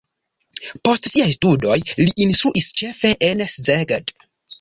Post siaj studoj li instruis ĉefe en Szeged.